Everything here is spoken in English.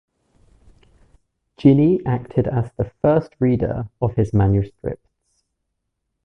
Ginny acted as the first reader of his manuscripts.